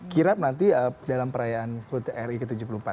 kirap nanti dalam perayaan kuteri ke tujuh puluh empat